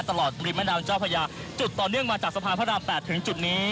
ตลอดริมแม่น้ำเจ้าพญาจุดต่อเนื่องมาจากสะพานพระราม๘ถึงจุดนี้